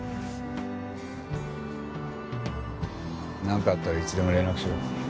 なんかあったらいつでも連絡しろ。